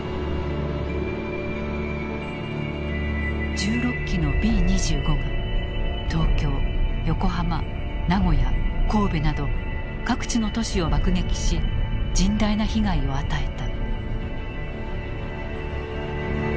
１６機のＢ２５が東京横浜名古屋神戸など各地の都市を爆撃し甚大な被害を与えた。